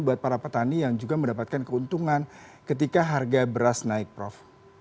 buat para petani yang juga mendapatkan keuntungan ketika harga beras naik prof